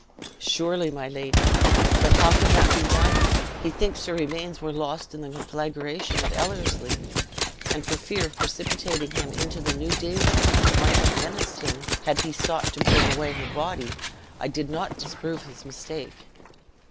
"Surely my lady; but how can that be done? He thinks her remains were lost in the conflagration of Ellerslie; and for fear of precipitating him into the new dangers which might have menaced him had he sought to bring away her body, I did not disprove his mistake."